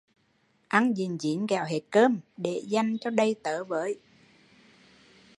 Ăn dín dín kẻo hết cơm, để dành cho đầy tớ với